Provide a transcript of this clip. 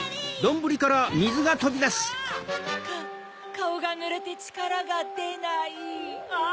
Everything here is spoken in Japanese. カオがぬれてちからがでないあ。